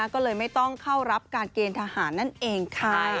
ก็เลยไม่ต้องเข้ารับการเกณฑ์ทหารนั่นเองค่ะ